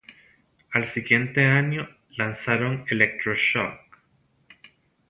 Al año siguiente lanzaron "Electroshock".